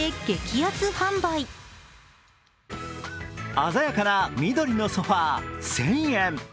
鮮やかな緑のソファー、１０００円。